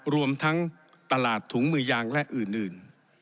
รวมทั้งตลาดถุงมือยางและอื่น